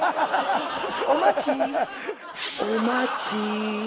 「お待ち」お待ち。